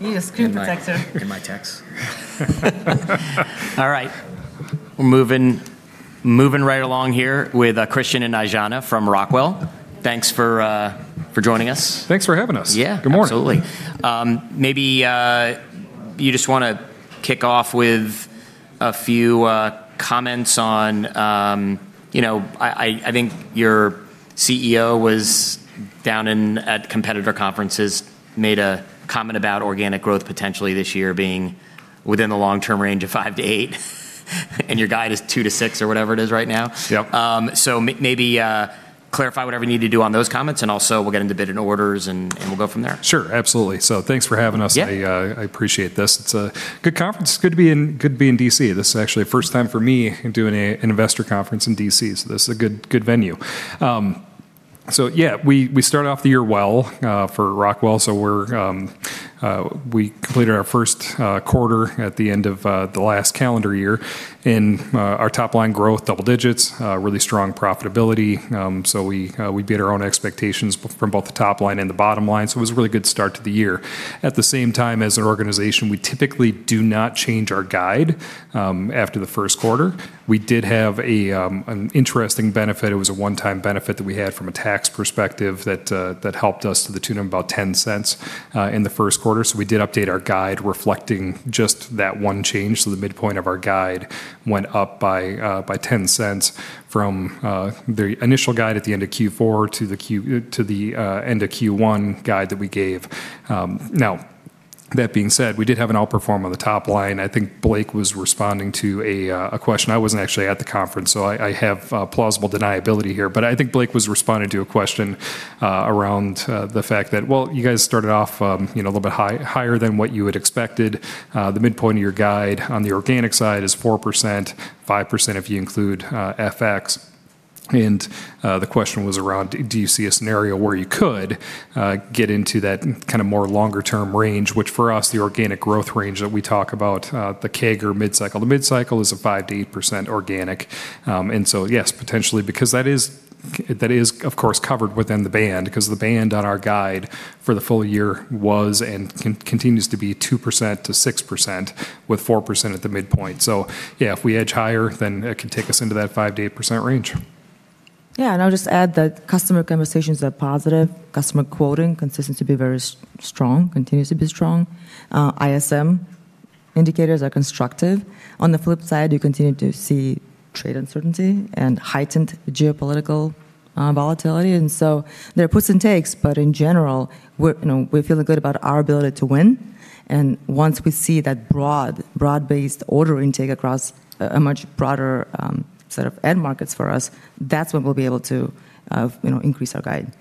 He is screen protector. In my texts. All right. We're moving right along here with Christian and Aijana from Rockwell. Thanks for joining us. Thanks for having us. Yeah. Good morning. Absolutely. Maybe you just wanna kick off with a few comments on, you know, I think your CEO was at competitor conferences, made a comment about organic growth potentially this year being within the long-term range of 5%-8%. Your guide is 2%-6% or whatever it is right now. Yep. Maybe clarify whatever you need to do on those comments, and also we'll get into bid and orders and we'll go from there. Sure. Absolutely. Thanks for having us. Yeah. I appreciate this. It's a good conference. It's good to be in D.C. This is actually the first time for me doing an investor conference in D.C., so this is a good venue. Yeah, we started off the year well for Rockwell. We completed our Q1 at the end of the last calendar year, and our top line growth double digits, really strong profitability. We beat our own expectations from both the top line and the bottom line, so it was a really good start to the year. At the same time, as an organization, we typically do not change our guide after the Q1. We did have an interesting benefit. It was a one-time benefit that we had from a tax perspective that helped us to the tune of about $0.10 in the Q1. We did update our guide reflecting just that one change. The midpoint of our guide went up by $0.10 from the initial guide at the end of Q4 to the end of Q1 guide that we gave. Now that being said, we did have an outperform on the top line. I think Blake was responding to a question. I wasn't actually at the conference, so I have plausible deniability here. I think Blake was responding to a question around the fact that, well, you guys started off, you know, a little bit higher than what you had expected. The midpoint of your guide on the organic side is 4%, 5% if you include FX. The question was around do you see a scenario where you could get into that kind of more longer term range, which for us, the organic growth range that we talk about, the CAGR mid-cycle. The mid-cycle is a 5%-8% organic. Yes, potentially, because that is, of course, covered within the band, because the band on our guide for the full year was and continues to be 2%-6% with 4% at the midpoint. Yeah, if we edge higher, then it can take us into that 5%-8% range. Yeah. I'll just add that customer conversations are positive. Customer quoting continues to be strong. ISM indicators are constructive. On the flip side, you continue to see trade uncertainty and heightened geopolitical volatility. There are puts and takes, but in general, we're feeling good about our ability to win. Once we see that broad-based order intake across a much broader set of end markets for us, that's when we'll be able to increase our guide.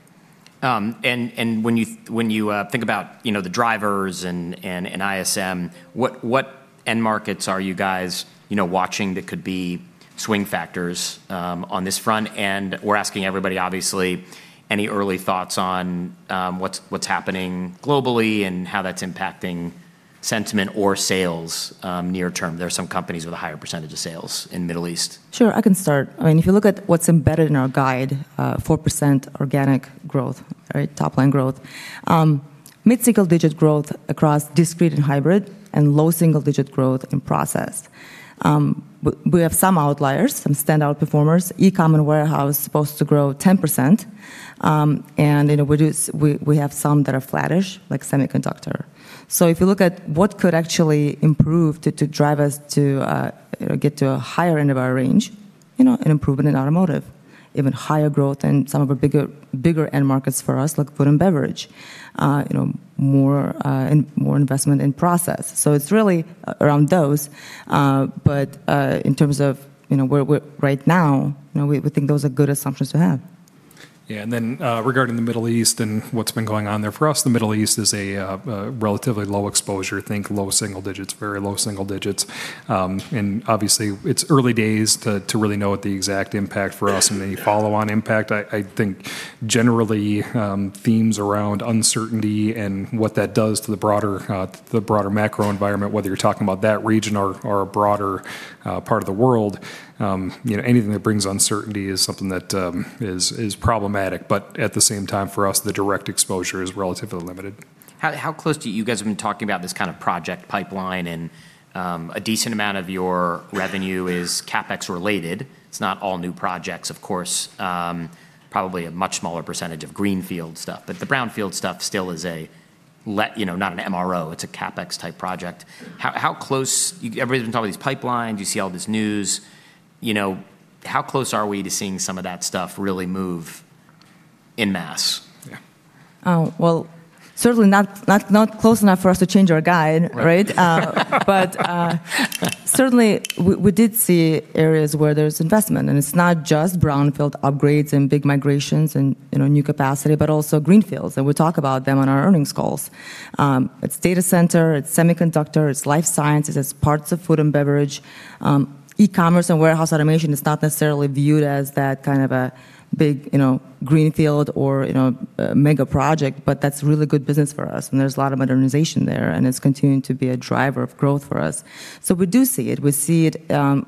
When you think about, you know, the drivers and ISM, what end markets are you guys, you know, watching that could be swing factors on this front? We're asking everybody, obviously, any early thoughts on what's happening globally and how that's impacting sentiment or sales near term? There are some companies with a higher percentage of sales in Middle East. Sure. I can start. I mean, if you look at what's embedded in our guide, 4% organic growth, right? Top line growth. Mid-single digit growth across discrete and hybrid, and low single digit growth in process. We have some outliers, some standout performers. E-commerce and warehouse supposed to grow 10%. You know, we have some that are flattish, like semiconductor. If you look at what could actually improve to drive us to, you know, get to a higher end of our range, you know, an improvement in automotive. Even higher growth in some of our bigger end markets for us, like food and beverage. You know, more investment in process. It's really around those. In terms of, you know, where we're right now, you know, we think those are good assumptions to have. Yeah. Then, regarding the Middle East and what's been going on there, for us, the Middle East is a relatively low exposure. Think low single digits, very low single digits. Obviously, it's early days to really know what the exact impact for us and any follow-on impact. I think generally, themes around uncertainty and what that does to the broader the broader macro environment, whether you're talking about that region or a broader part of the world, you know, anything that brings uncertainty is something that is problematic. But at the same time, for us, the direct exposure is relatively limited. How close do you guys have been talking about this kind of project pipeline and, a decent amount of your revenue is CapEx related. It's not all new projects, of course. Probably a much smaller percentage of greenfield stuff. The brownfield stuff still is you know, not an MRO, it's a CapEx type project. How close Everybody's been talking about these pipelines, you see all this news, you know, how close are we to seeing some of that stuff really move in mass? Yeah. Well, certainly not close enough for us to change our guide, right? Right. Certainly we did see areas where there's investment, and it's not just brownfield upgrades and big migrations and, you know, new capacity, but also greenfields, and we talk about them on our earnings calls. It's data center, it's semiconductor, it's life sciences, it's parts of food and beverage. E-commerce and warehouse automation is not necessarily viewed as that kind of a big, you know, greenfield or, you know, mega project, but that's really good business for us, and there's a lot of modernization there, and it's continuing to be a driver of growth for us. We do see it. We see it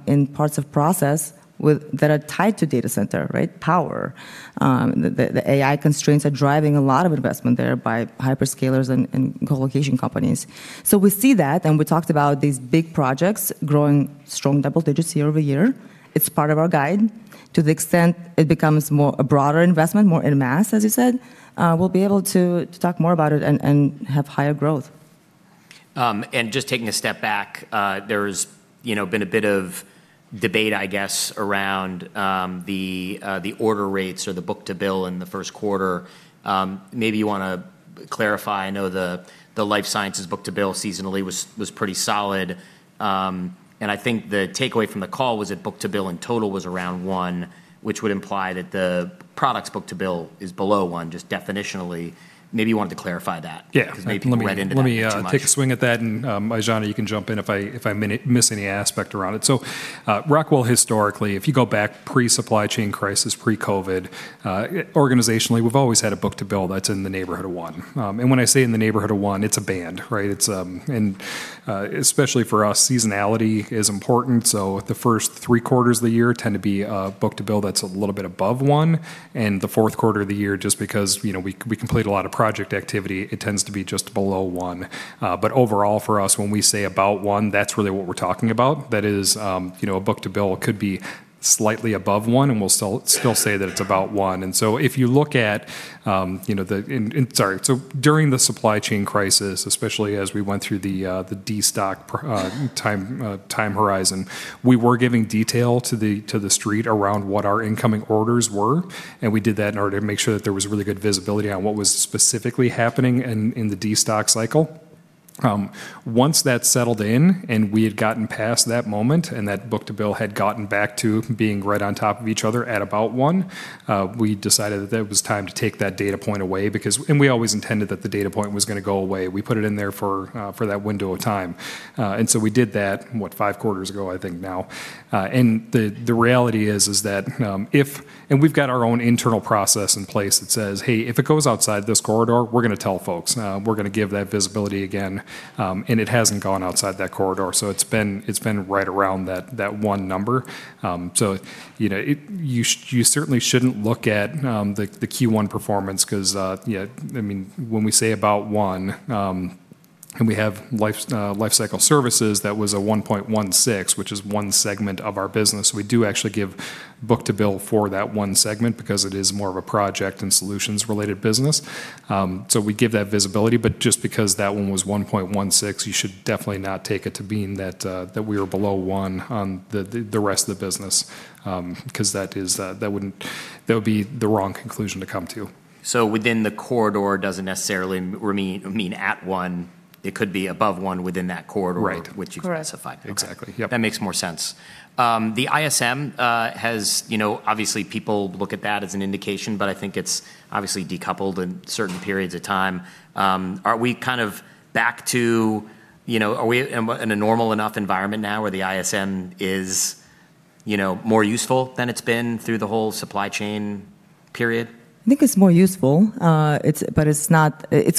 in parts of process that are tied to data center, right? Power. The AI constraints are driving a lot of investment there by hyperscalers and co-location companies. We see that, and we talked about these big projects growing strong double digits year-over-year. It's part of our guide. To the extent it becomes more a broader investment, more en masse, as you said, we'll be able to to talk more about it and have higher growth. Just taking a step back, there's, you know, been a bit of debate, I guess, around the order rates or the book-to-bill in the Q1. Maybe you wanna clarify. I know the life sciences book-to-bill seasonally was pretty solid. I think the takeaway from the call was that book-to-bill in total was around one, which would imply that the products book-to-bill is below one, just definitionally. Maybe you wanted to clarify that. Yeah. 'Cause maybe we read into that a bit too much. Let me take a swing at that, and Aijana, you can jump in if I miss any aspect around it. Rockwell historically, if you go back pre-supply chain crisis, pre-COVID, organizationally, we've always had a book-to-bill that's in the neighborhood of one. When I say in the neighborhood of one, it's a band, right? It's especially for us, seasonality is important, so the first three quarters of the year tend to be a book-to-bill that's a little bit above one, and the Q4 of the year, just because you know we complete a lot of project activity, it tends to be just below one. Overall for us, when we say about one, that's really what we're talking about. That is, you know, a book-to-bill could be slightly above one, and we'll still say that it's about one. During the supply chain crisis, especially as we went through the destock time horizon, we were giving detail to the street around what our incoming orders were, and we did that in order to make sure that there was really good visibility on what was specifically happening in the destock cycle. Once that settled in and we had gotten past that moment, and that book-to-bill had gotten back to being right on top of each other at about one, we decided that it was time to take that data point away because we always intended that the data point was gonna go away. We put it in there for that window of time. We did that, what? five quarters ago, I think now. The reality is that we've got our own internal process in place that says, "Hey, if it goes outside this corridor, we're gonna tell folks. We're gonna give that visibility again." It hasn't gone outside that corridor, so it's been right around that one number. You know, it—you certainly shouldn't look at the Q1 performance 'cause, yeah. I mean, when we say about one, and we have lifecycle services, that was a 1.16, which is one segment of our business. We do actually give book-to-bill for that one segment because it is more of a project and solutions related business. We give that visibility, but just because that one was 1.16, you should definitely not take it to mean that we are below one on the rest of the business, 'cause that is, that wouldn't. That would be the wrong conclusion to come to. Within the corridor doesn't necessarily mean at one, it could be above one within that corridor. Right. which you specified. Exactly. Yep. That makes more sense. The ISM has, you know, obviously people look at that as an indication, but I think it's obviously decoupled in certain periods of time. Are we kind of back to, you know, are we in a normal enough environment now where the ISM is, you know, more useful than it's been through the whole supply chain period? I think it's more useful. It's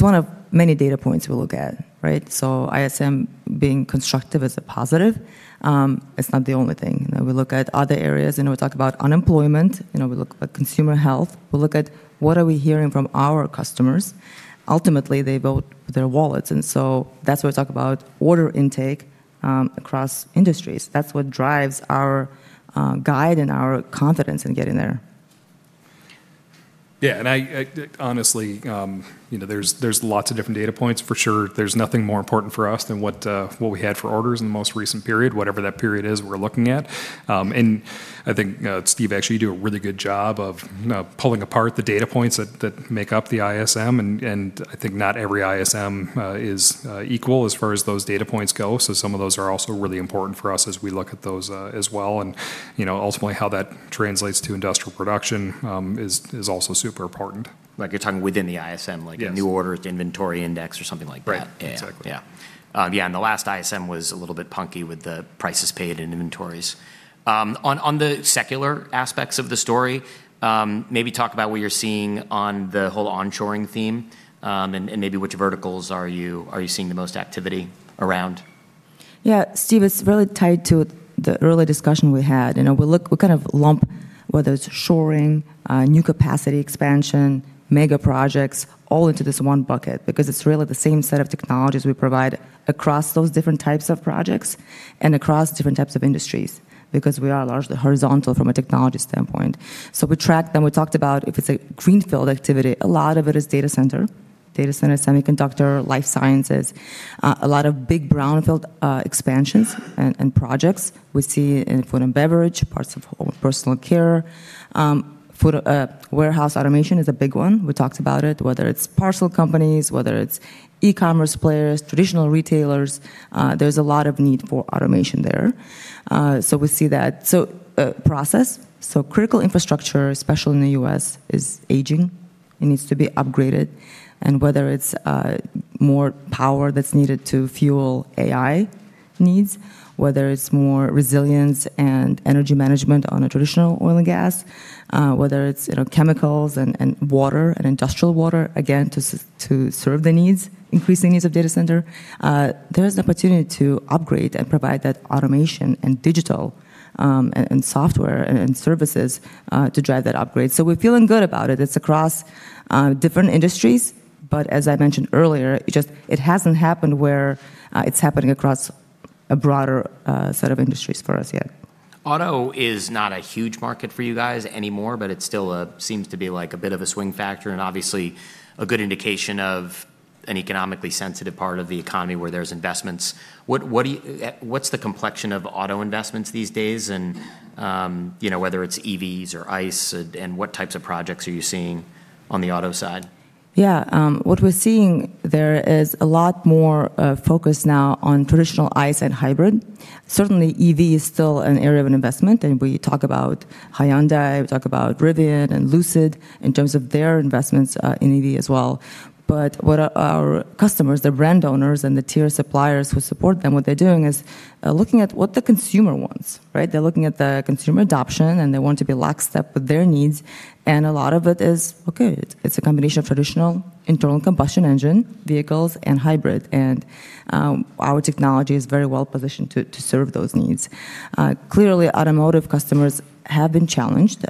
one of many data points we look at, right? ISM being constructive is a positive, it's not the only thing. You know, we look at other areas. You know, we talk about unemployment. You know, we look at consumer health. We look at what are we hearing from our customers. Ultimately, they vote with their wallets, and so that's why we talk about order intake across industries. That's what drives our guide and our confidence in getting there. Yeah. I honestly, you know, there's lots of different data points for sure. There's nothing more important for us than what we had for orders in the most recent period, whatever that period is we're looking at. I think, Steve, actually you do a really good job of pulling apart the data points that make up the ISM and I think not every ISM is equal as far as those data points go. Some of those are also really important for us as we look at those, as well. You know, ultimately how that translates to industrial production is also super important. Like you're talking within the ISM. Yes. New orders, inventory index or something like that. Right. Exactly. Yeah, the last ISM was a little bit punky with the prices paid in inventories. On the secular aspects of the story, maybe talk about what you're seeing on the whole onshoring theme, and maybe which verticals are you seeing the most activity around? Yeah. Steve, it's really tied to the early discussion we had. You know, we kind of lump whether it's reshoring, new capacity expansion, mega projects, all into this one bucket because it's really the same set of technologies we provide across those different types of projects and across different types of industries because we are largely horizontal from a technology standpoint. We track them. We talked about if it's a greenfield activity, a lot of it is data center. Data center, semiconductor, life sciences, a lot of big brownfield expansions and projects we see in food and beverage, parts of personal care. Food, warehouse automation is a big one. We talked about it, whether it's parcel companies, whether it's e-commerce players, traditional retailers, there's a lot of need for automation there. We see that process. Critical infrastructure, especially in the U.S., is aging. It needs to be upgraded, and whether it's more power that's needed to fuel AI needs, whether it's more resilience and energy management on a traditional oil and gas, whether it's, you know, chemicals and water and industrial water, again, to serve the needs, increasing needs of data center, there is an opportunity to upgrade and provide that automation and digital and software and services to drive that upgrade. We're feeling good about it. It's across different industries, but as I mentioned earlier, it just hasn't happened where it's happening across a broader set of industries for us, yeah. Auto is not a huge market for you guys anymore, but it still seems to be like a bit of a swing factor and obviously a good indication of an economically sensitive part of the economy where there's investments. What's the complexion of auto investments these days and, you know, whether it's EVs or ICE, and what types of projects are you seeing on the auto side? Yeah. What we're seeing there is a lot more focus now on traditional ICE and hybrid. Certainly, EV is still an area of an investment, and we talk about Hyundai, we talk about Rivian and Lucid in terms of their investments in EV as well. What our customers, the brand owners and the tier suppliers who support them, what they're doing is looking at what the consumer wants, right? They're looking at the consumer adoption, and they want to be lockstep with their needs, and a lot of it is okay. It's a combination of traditional internal combustion engine vehicles and hybrid, and our technology is very well positioned to serve those needs. Clearly, automotive customers have been challenged.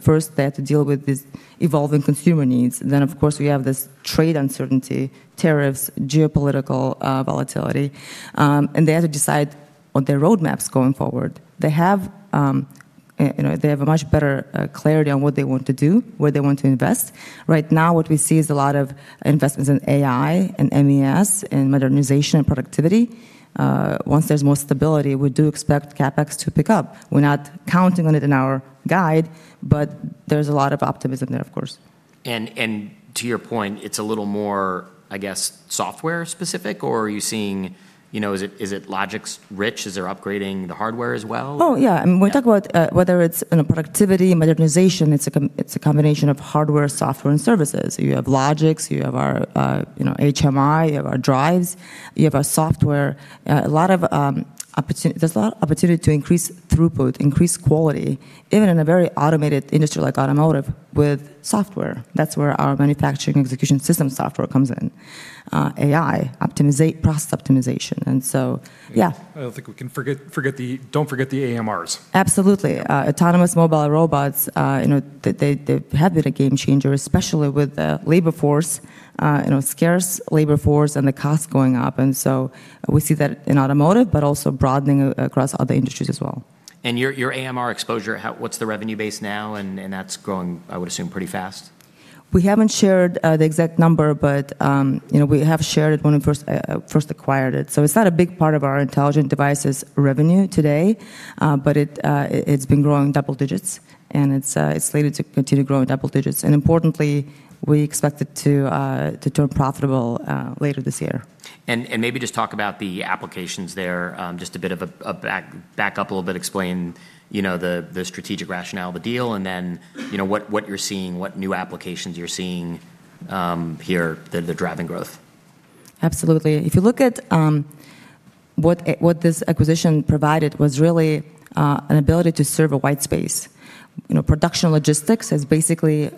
First they had to deal with these evolving consumer needs. Of course, we have this trade uncertainty, tariffs, geopolitical volatility, and they had to decide on their roadmaps going forward. They have you know a much better clarity on what they want to do, where they want to invest. Right now, what we see is a lot of investments in AI and MES and modernization and productivity. Once there's more stability, we do expect CapEx to pick up. We're not counting on it in our guide, but there's a lot of optimism there, of course. To your point, it's a little more, I guess, software specific, or are you seeing? You know, is it Logix rich? Is there upgrading the hardware as well? Oh, yeah. Yeah. When we talk about whether it's in a productivity modernization, it's a combination of hardware, software, and services. You have Logix, you have our you know, HMI, you have our drives, you have our software. There's a lot of opportunity to increase throughput, increase quality, even in a very automated industry like automotive with software. That's where our manufacturing execution system software comes in. AI, process optimization. Don't forget the AMRs. Absolutely. Autonomous mobile robots, you know, they have been a game changer, especially with the labor force, you know, scarce labor force and the cost going up. We see that in automotive, but also broadening across other industries as well. Your AMR exposure, what's the revenue base now? That's growing, I would assume, pretty fast. We haven't shared the exact number, but you know, we have shared it when we first acquired it. It's not a big part of our intelligent devices revenue today, but it's been growing double digits, and it's slated to continue growing double digits. Importantly, we expect it to turn profitable later this year. Maybe just talk about the applications there. Just a bit of a back up a little bit, explain, you know, the strategic rationale of the deal and then, you know, what you're seeing, what new applications you're seeing here that are driving growth. Absolutely. If you look at what this acquisition provided was really an ability to serve a wide space. You know, production logistics is basically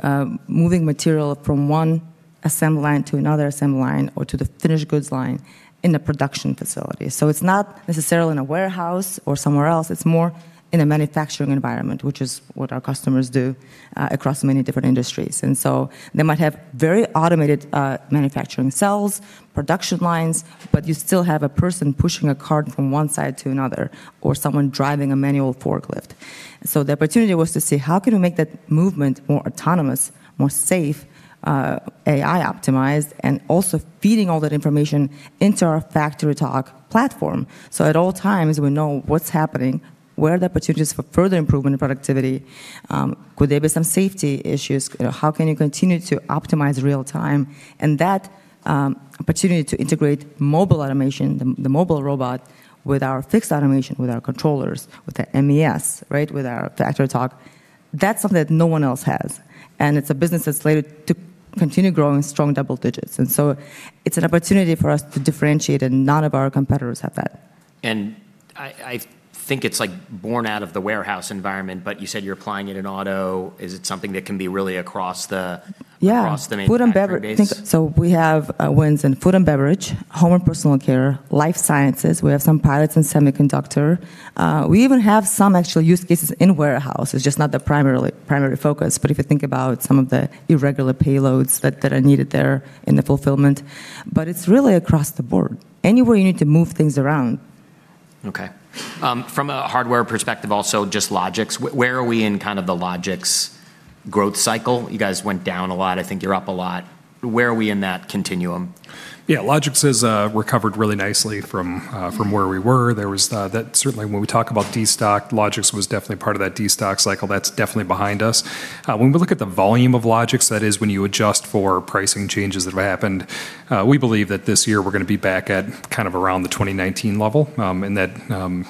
moving material from one assembly line to another assembly line or to the finished goods line in the production facility. It's not necessarily in a warehouse or somewhere else, it's more in a manufacturing environment, which is what our customers do across many different industries. They might have very automated manufacturing cells, production lines, but you still have a person pushing a cart from one side to another or someone driving a manual forklift. The opportunity was to say, how can we make that movement more autonomous, more safe, AI optimized, and also feeding all that information into our FactoryTalk platform. At all times, we know what's happening, where are the opportunities for further improvement in productivity, could there be some safety issues, you know, how can you continue to optimize real time? That opportunity to integrate mobile automation, the mobile robot with our fixed automation, with our controllers, with the MES, right, with our FactoryTalk, that's something that no one else has. It's a business that's slated to continue growing strong double digits. It's an opportunity for us to differentiate, and none of our competitors have that. I think it's like born out of the warehouse environment, but you said you're applying it in auto. Is it something that can be really across the- Yeah. Across the main driver base? Food and beverage. We have wins in food and beverage, home and personal care, life sciences. We have some pilots in semiconductor. We even have some actual use cases in warehouse. It's just not the primary focus. If you think about some of the irregular payloads that are needed there in the fulfillment. It's really across the board. Anywhere you need to move things around. Okay. From a hardware perspective also, just Logix, where are we in kind of the Logix growth cycle? You guys went down a lot. I think you're up a lot. Where are we in that continuum? Yeah. Logix has recovered really nicely from from where we were. There was that certainly when we talk about destock, Logix was definitely part of that destock cycle. That's definitely behind us. When we look at the volume of Logix, that is when you adjust for pricing changes that have happened, we believe that this year we're gonna be back at kind of around the 2019 level. And that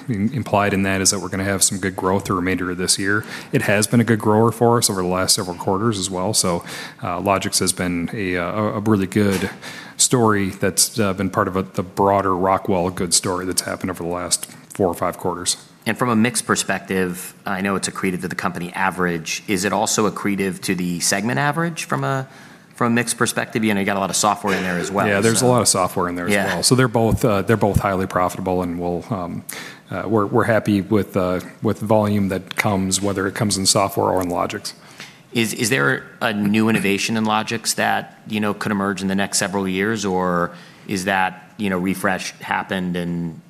implied in that is that we're gonna have some good growth the remainder of this year. It has been a good grower for us over the last several quarters as well. Logix has been a really good story that's been part of the broader Rockwell good story that's happened over the last four quarters or five quarters. From a mix perspective, I know it's accretive to the company average. Is it also accretive to the segment average from a mix perspective? You know, you got a lot of software in there as well, so. Yeah. There's a lot of software in there as well. Yeah. They're both highly profitable, and we're happy with the volume that comes, whether it comes in software or in Logix. Is there a new innovation in Logix that, you know, could emerge in the next several years? Is that, you know, refresh happened and,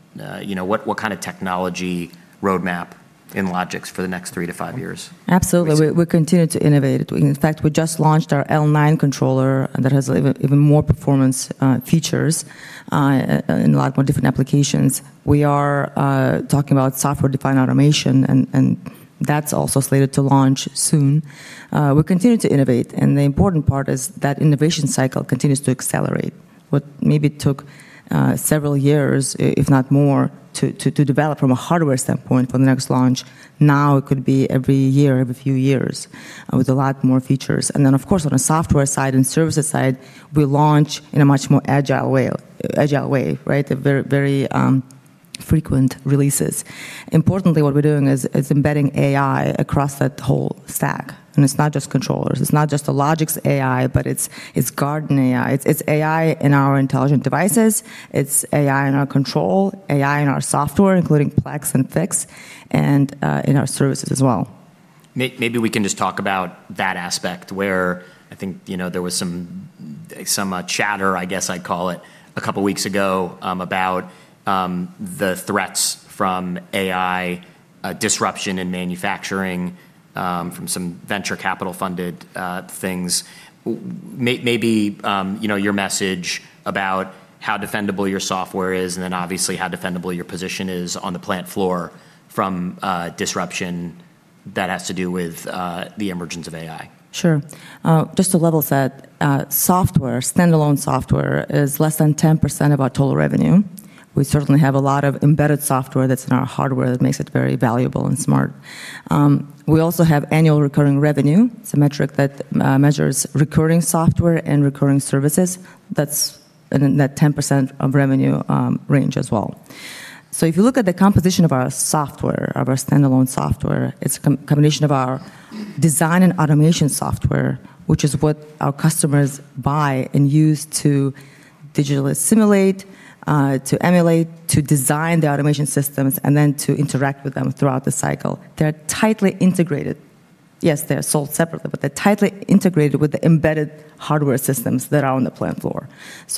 you know, what kind of technology roadmap in Logix for the next three years-five years? Absolutely. We continue to innovate. In fact, we just launched our L9 controller that has even more performance features in a lot more different applications. We are talking about software-defined automation and that's also slated to launch soon. We continue to innovate, and the important part is that innovation cycle continues to accelerate. What maybe took several years, if not more, to develop from a hardware standpoint for the next launch, now it could be every year, every few years with a lot more features. Then, of course, on a software side and services side, we launch in a much more agile way, right? Very frequent releases. Importantly, what we're doing is embedding AI across that whole stack, and it's not just controllers. It's not just a Logix AI, but it's GuardianAI. It's AI in our intelligent devices. It's AI in our control, AI in our software, including Plex and Fiix, and in our services as well. Maybe we can just talk about that aspect where I think, you know, there was some chatter, I guess I'd call it, a couple weeks ago, about the threats from AI disruption in manufacturing from some venture capital funded things. Maybe you know, your message about how defendable your software is and then obviously how defendable your position is on the plant floor from disruption that has to do with the emergence of AI. Sure. Just to level set, software, standalone software is less than 10% of our total revenue. We certainly have a lot of embedded software that's in our hardware that makes it very valuable and smart. We also have annual recurring revenue. It's a metric that measures recurring software and recurring services. That's in that 10% of revenue range as well. If you look at the composition of our software, of our standalone software, it's a combination of our design and automation software, which is what our customers buy and use to digitally simulate, to emulate, to design the automation systems, and then to interact with them throughout the cycle. They're tightly integrated. Yes, they're sold separately, but they're tightly integrated with the embedded hardware systems that are on the plant floor.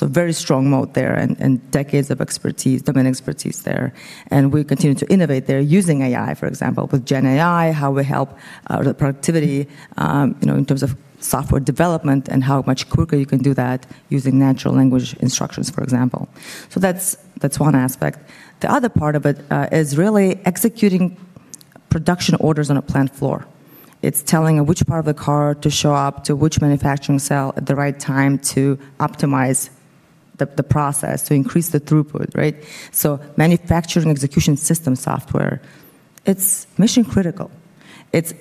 Very strong moat there and decades of expertise, domain expertise there. We continue to innovate there using AI, for example, with GenAI, how we help the productivity, you know, in terms of software development and how much quicker you can do that using natural language instructions, for example. That's one aspect. The other part of it is really executing production orders on a plant floor. It's telling which part of the car to show up to which manufacturing cell at the right time to optimize the process to increase the throughput, right? Manufacturing execution system software, it's mission critical. It's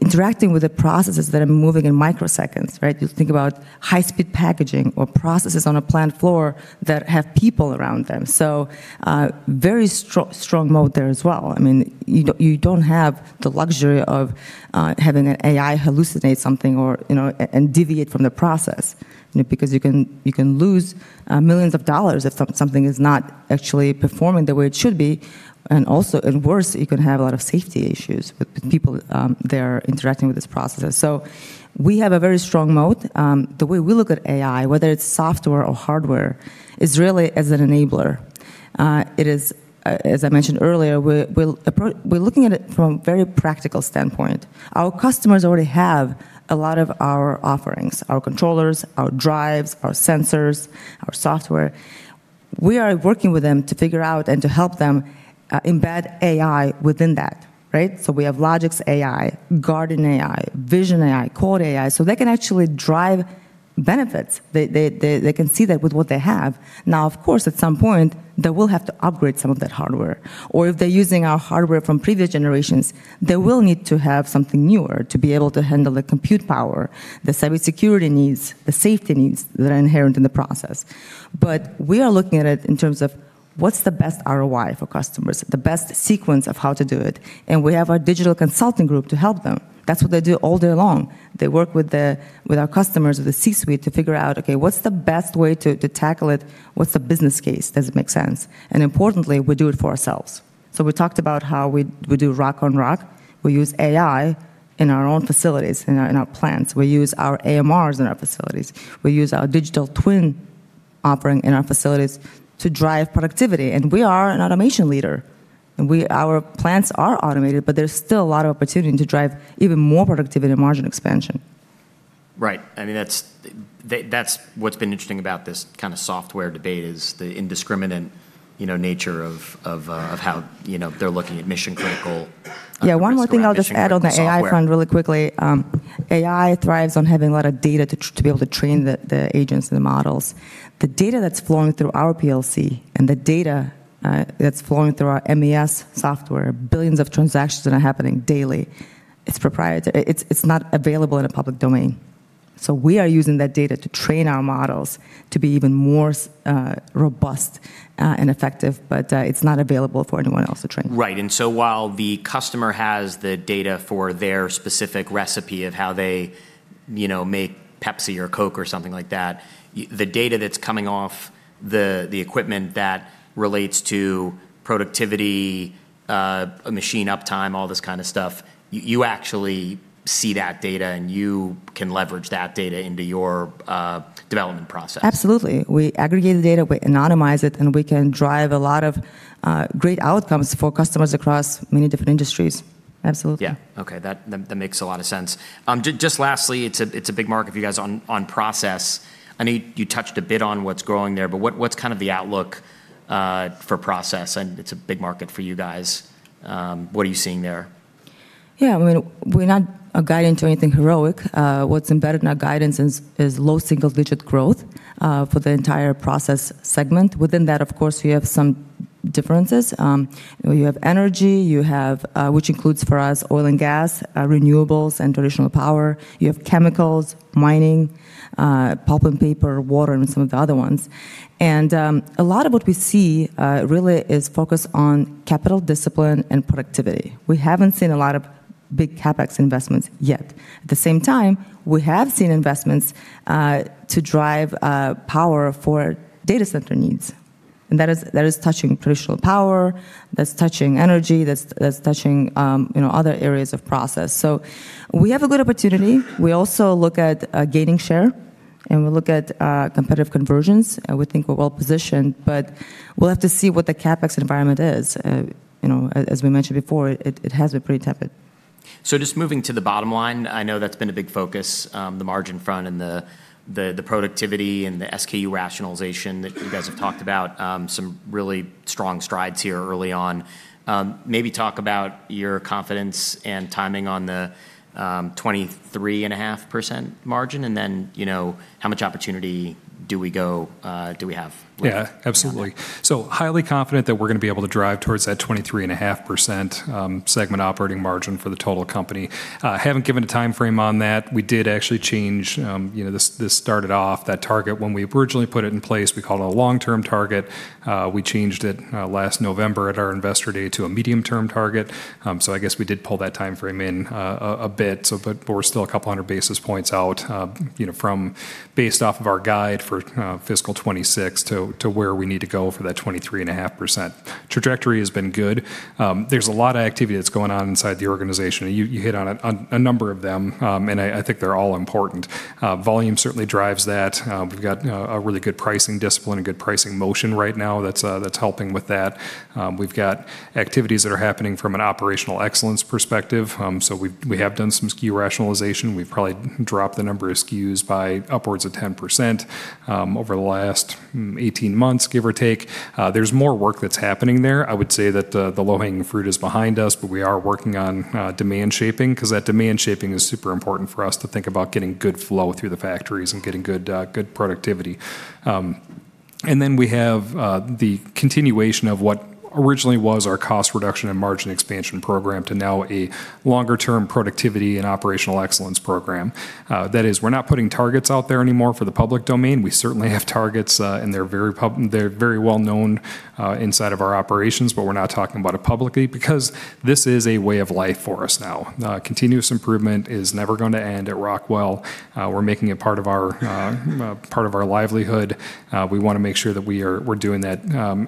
interacting with the processes that are moving in microseconds, right? You think about high speed packaging or processes on a plant floor that have people around them. Very strong moat there as well. I mean, you don't have the luxury of having an AI hallucinate something or deviate from the process, because you can lose millions of dollars if something is not actually performing the way it should be. Also, worse, you can have a lot of safety issues with people there interacting with these processes. We have a very strong moat. The way we look at AI, whether it's software or hardware, is really as an enabler. It is, as I mentioned earlier, we're looking at it from very practical standpoint. Our customers already have a lot of our offerings, our controllers, our drives, our sensors, our software. We are working with them to figure out and to help them embed AI within that, right? We have Logix AI, Guardian AI, Vision AI, Code AI, so they can actually drive benefits. They can see that with what they have. Now, of course, at some point, they will have to upgrade some of that hardware. Or if they're using our hardware from previous generations, they will need to have something newer to be able to handle the compute power, the cybersecurity needs, the safety needs that are inherent in the process. We are looking at it in terms of what's the best ROI for customers, the best sequence of how to do it, and we have our digital consulting group to help them. That's what they do all day long. They work with our customers at the C-suite to figure out, okay, what's the best way to tackle it? What's the business case? Does it make sense? Importantly, we do it for ourselves. We talked about how we do Rock on Rock. We use AI in our own facilities, in our plants. We use our AMRs in our facilities. We use our digital twin offering in our facilities to drive productivity. We are an automation leader, our plants are automated, but there's still a lot of opportunity to drive even more productivity and margin expansion. Right. I mean, that's what's been interesting about this kind of software debate is the indiscriminate, you know, nature of how, you know, they're looking at mission critical. Yeah. One more thing I'll just add on the AI front really quickly. AI thrives on having a lot of data to be able to train the agents and the models. The data that's flowing through our PLC and the data that's flowing through our MES software, billions of transactions that are happening daily, it's proprietary. It's not available in a public domain. We are using that data to train our models to be even more robust and effective, but it's not available for anyone else to train. Right. While the customer has the data for their specific recipe of how they, you know, make Pepsi or Coke or something like that, the data that's coming off the equipment that relates to productivity, machine uptime, all this kind of stuff, you actually see that data and you can leverage that data into your development process. Absolutely. We aggregate the data, we anonymize it, and we can drive a lot of great outcomes for customers across many different industries. Absolutely. Yeah. Okay. That makes a lot of sense. Just lastly, it's a big market for you guys on process. I know you touched a bit on what's growing there, but what's kind of the outlook for process? It's a big market for you guys. What are you seeing there? Yeah. I mean, we're not guiding to anything heroic. What's embedded in our guidance is low single-digit growth for the entire process segment. Within that, of course, we have some differences. You have energy, you have which includes for us oil and gas, renewables, and traditional power. You have chemicals, mining, pulp and paper, water, and some of the other ones. A lot of what we see really is focused on capital discipline and productivity. We haven't seen a lot of big CapEx investments yet. At the same time, we have seen investments to drive power for data center needs. That is touching traditional power, that's touching energy, that's touching other areas of process. We have a good opportunity. We also look at gaining share, and we look at competitive convergence. I would think we're well-positioned, but we'll have to see what the CapEx environment is. You know, as we mentioned before, it has been pretty tepid. Just moving to the bottom line, I know that's been a big focus, the margin front and the productivity and the SKU rationalization that you guys have talked about, some really strong strides here early on. Maybe talk about your confidence and timing on the 23.5% margin, and then, you know, how much opportunity do we have? Yeah, absolutely. Highly confident that we're gonna be able to drive towards that 23.5% segment operating margin for the total company. Haven't given a timeframe on that. We did actually change, you know, this started off that target when we originally put it in place, we called it a long-term target. We changed it last November at our investor day to a medium-term target. I guess we did pull that timeframe in a bit, but we're still a couple hundred basis points out, you know, from based off of our guide for FY 2026 to where we need to go for that 23.5%. Trajectory has been good. There's a lot of activity that's going on inside the organization. You hit on a number of them, and I think they're all important. Volume certainly drives that. We've got a really good pricing discipline, a good pricing motion right now that's helping with that. We've got activities that are happening from an operational excellence perspective. We have done some SKU rationalization. We've probably dropped the number of SKUs by upwards of 10%, over the last 18 months, give or take. There's more work that's happening there. I would say that the low-hanging fruit is behind us, but we are working on demand shaping 'cause that demand shaping is super important for us to think about getting good flow through the factories and getting good productivity. We have the continuation of what originally was our cost reduction and margin expansion program to now a longer-term productivity and operational excellence program. That is, we're not putting targets out there anymore for the public domain. We certainly have targets, and they're very well known inside of our operations, but we're not talking about it publicly because this is a way of life for us now. Continuous improvement is never gonna end at Rockwell. We're making it part of our livelihood. We wanna make sure that we're doing that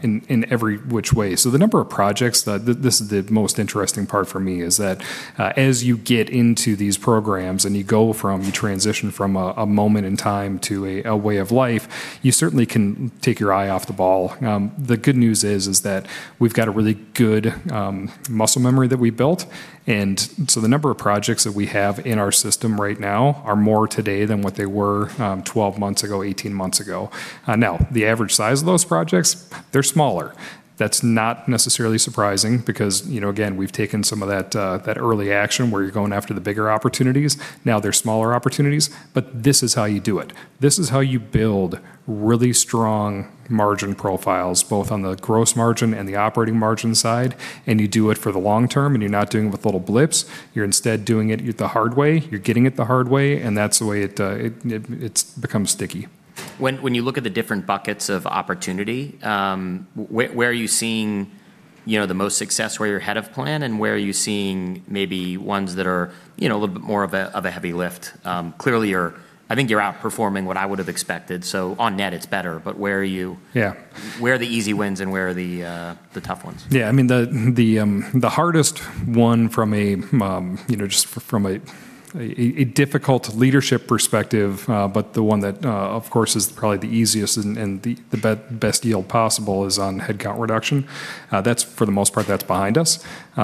in every which way. The number of projects, this is the most interesting part for me, is that as you get into these programs and you transition from a moment in time to a way of life, you certainly can take your eye off the ball. The good news is that we've got a really good muscle memory that we built. The number of projects that we have in our system right now are more today than what they were 12 months ago, 18 months ago. Now, the average size of those projects, they're smaller. That's not necessarily surprising because, you know, again, we've taken some of that early action where you're going after the bigger opportunities. Now they're smaller opportunities, but this is how you do it. This is how you build really strong margin profiles, both on the gross margin and the operating margin side, and you do it for the long term, and you're not doing it with little blips. You're instead doing it the hard way. You're getting it the hard way, and that's the way it becomes sticky. When you look at the different buckets of opportunity, where are you seeing, you know, the most success where you're ahead of plan, and where are you seeing maybe ones that are, you know, a little bit more of a heavy lift? Clearly, you're, I think you're outperforming what I would have expected. On net, it's better, but where are you? Yeah. Where are the easy wins and where are the tough ones? I mean, the hardest one from a, you know, just from a difficult leadership perspective, but the one that of course is probably the easiest and the best yield possible is on headcount reduction. That's, for the most part, behind us. We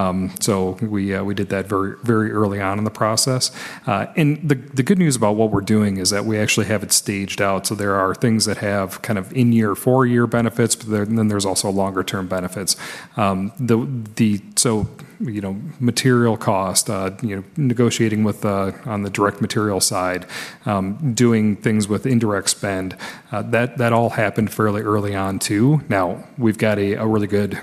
did that very early on in the process. The good news about what we're doing is that we actually have it staged out. There are things that have kind of in-year, four-year benefits, but then there's also longer-term benefits. You know, material cost, you know, negotiating with on the direct material side, doing things with indirect spend, that all happened fairly early on too. We've got a really good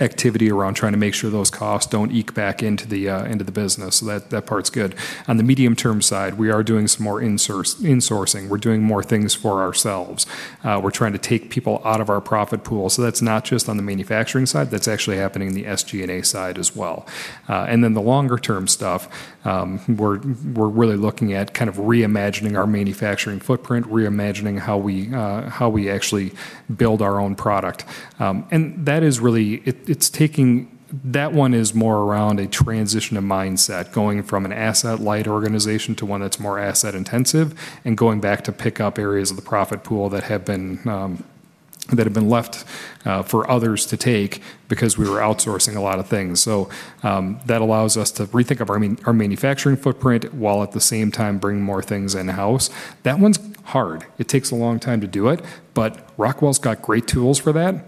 activity around trying to make sure those costs don't creep back into the business. That part's good. On the medium-term side, we are doing some more insourcing. We're doing more things for ourselves. We're trying to take people out of our profit pool. That's not just on the manufacturing side, that's actually happening in the SG&A side as well. The longer term stuff, we're really looking at kind of reimagining our manufacturing footprint, reimagining how we actually build our own product. That is really That one is more around a transition of mindset, going from an asset-light organization to one that's more asset intensive, and going back to pick up areas of the profit pool that have been left for others to take because we were outsourcing a lot of things. That allows us to rethink of our manufacturing footprint, while at the same time bring more things in-house. That one's hard. It takes a long time to do it, but Rockwell's got great tools for that.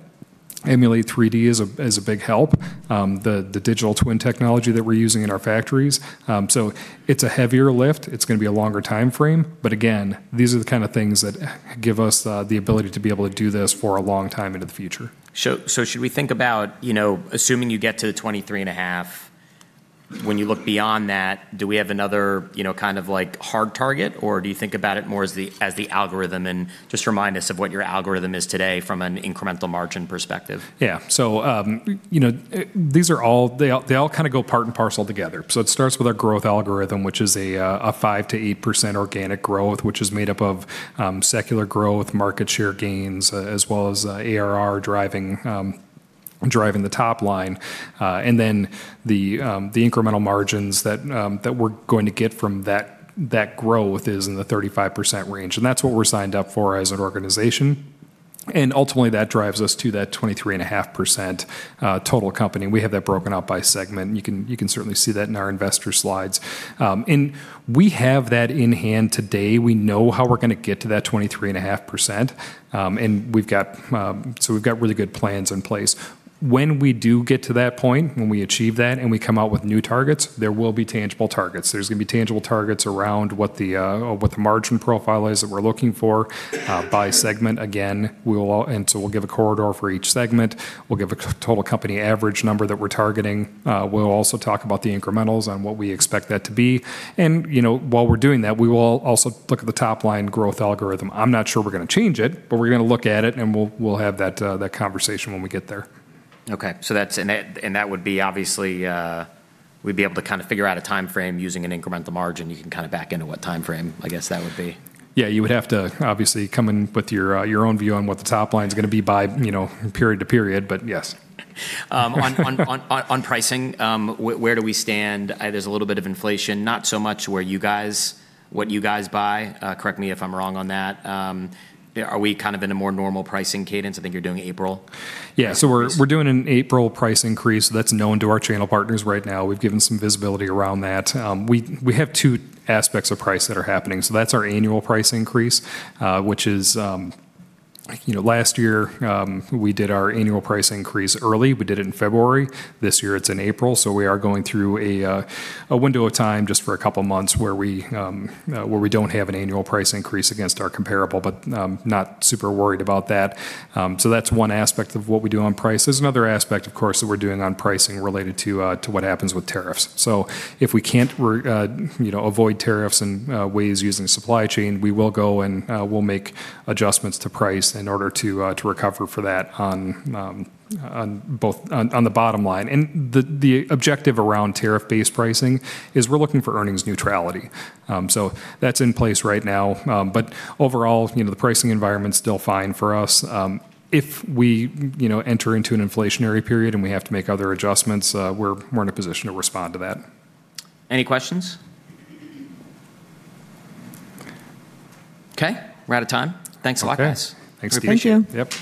Emulate3D is a big help, the digital twin technology that we're using in our factories. It's a heavier lift. It's gonna be a longer timeframe, but again, these are the kinda things that give us the ability to be able to do this for a long time into the future. So should we think about, you know, assuming you get to the 23.5%, when you look beyond that, do we have another, you know, kind of like hard target? Or do you think about it more as the algorithm? And just remind us of what your algorithm is today from an incremental margin perspective. Yeah. You know, they all kinda go part and parcel together. It starts with our growth algorithm, which is a 5%-8% organic growth, which is made up of secular growth, market share gains, as well as ARR driving the top line. The incremental margins that we're going to get from that growth is in the 35% range, and that's what we're signed up for as an organization. Ultimately, that drives us to that 23.5% total company. We have that broken out by segment. You can certainly see that in our investor slides. We have that in hand today. We know how we're gonna get to that 23.5%, and we've got really good plans in place. When we do get to that point, when we achieve that, and we come out with new targets, there will be tangible targets. There's gonna be tangible targets around what the margin profile is that we're looking for by segment. Again, we'll give a corridor for each segment. We'll give a total company average number that we're targeting. We'll also talk about the incrementals and what we expect that to be. You know, while we're doing that, we will also look at the top-line growth algorithm. I'm not sure we're gonna change it, but we're gonna look at it, and we'll have that conversation when we get there. Okay. That would be obviously. We'd be able to kinda figure out a timeframe using an incremental margin. You can kinda back into what timeframe, I guess, that would be. Yeah, you would have to obviously come in with your own view on what the top line's gonna be by, you know, period to period, but yes. On pricing, where do we stand? There's a little bit of inflation, not so much what you guys buy. Correct me if I'm wrong on that. Are we kind of in a more normal pricing cadence? I think you're doing April. Yeah. We're doing an April price increase that's known to our channel partners right now. We've given some visibility around that. We have two aspects of price that are happening. That's our annual price increase, which is, you know, last year, we did our annual price increase early. We did it in February. This year, it's in April, so we are going through a window of time just for a couple months where we don't have an annual price increase against our comparable, but not super worried about that. That's one aspect of what we do on price. There's another aspect, of course, that we're doing on pricing related to what happpens with tariffs. If we can't avoid tariffs in ways using supply chain, we will go and we'll make adjustments to price in order to recover for that on the bottom line. The objective around tariff-based pricing is we're looking for earnings neutrality. That's in place right now. Overall, you know, the pricing environment's still fine for us. If we, you know, enter into an inflationary period, and we have to make other adjustments, we're in a position to respond to that. Any questions? Okay, we're out of time. Thanks a lot, guys. Okay. Thank you. Yep